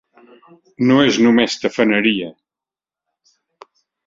No és només tafaneria.